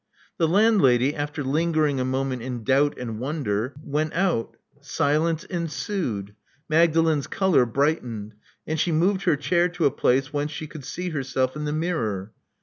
The landlady, after lingering a moment in doubt and wonder, went out. Silence ensued. Magdalen's color brightened ; and she moved her chair to a place whence she could see herself in the mirror.